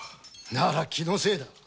なら気のせいだ。